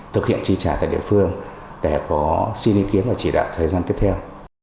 thực hiện tri trả tại địa phương để có xin ý kiến và chỉ đạo thời gian tiếp theo